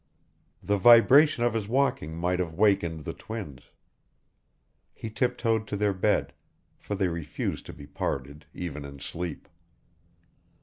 The vibration of his walking might have wakened the twins. He tiptoed to their bed for they refused to be parted even in sleep.